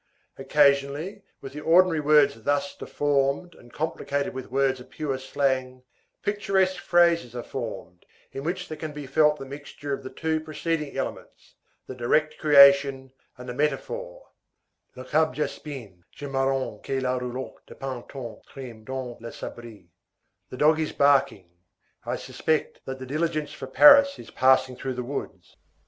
Occasionally, with the ordinary words thus deformed and complicated with words of pure slang, picturesque phrases are formed, in which there can be felt the mixture of the two preceding elements, the direct creation and the metaphor: le cab jaspine, je marronne que la roulotte de Pantin trime dans le sabri, the dog is barking, I suspect that the diligence for Paris is passing through the woods.